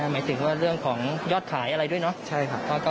พี่ตุ้มสำเร็จเยอะไหมเยอะนะเยอะมาก